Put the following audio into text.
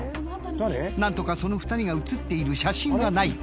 なんとかその２人が写っている写真がないか。